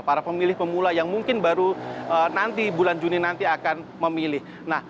para pemilih pemula yang mungkin baru nanti bulan juni nanti akan memilih